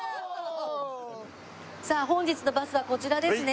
さあ本日のバスはこちらですね。